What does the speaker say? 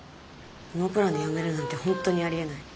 ノープランで辞めるなんて本当にありえない。